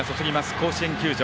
甲子園球場。